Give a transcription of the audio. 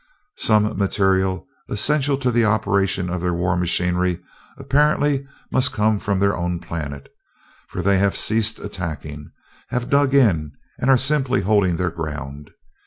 "Some material essential to the operation of their war machinery apparently must come from their own planet, for they have ceased attacking, have dug in, and are simply holding their ground.